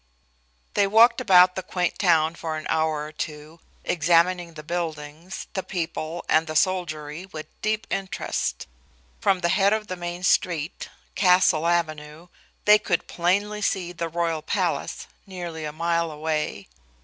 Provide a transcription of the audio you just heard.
They walked about the quaint town for an hour or two, examining the buildings, the people and the soldiery with deep interest. From the head of the main street, Castle Avenue, they could plainly see the royal palace, nearly a mile away.